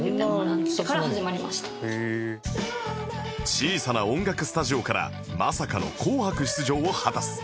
小さな音楽スタジオからまさかの『紅白』出場を果たす